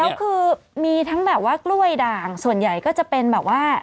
แล้วคือมีทั้งแบบว่ากล้วยด่างส่วนใหญ่ก็จะเป็นแบบว่า